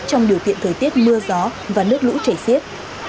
trong điều kiện thời tiết mưa gió và nước lũ chảy xiết